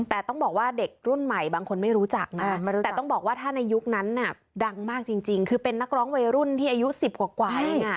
แต่ต้องบอกว่าเด็กรุ่นใหม่บางคนไม่รู้จักนะแต่ต้องบอกว่าถ้าในยุคนั้นดังมากจริงคือเป็นนักร้องวัยรุ่นที่อายุ๑๐กว่า